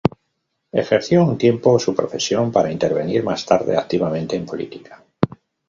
Ejerció un tiempo su profesión para intervenir más tarde activamente en política.